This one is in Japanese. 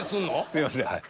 すいませんはい。